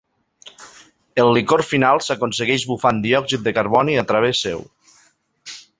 El licor final s'aconsegueix bufant diòxid de carboni a través seu.